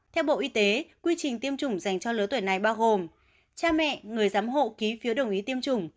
theo bộ y tế quy trình tiêm chủng dành cho lứa tuổi này bao gồm cha mẹ người giám hộ ký phiếu đồng ý tiêm chủng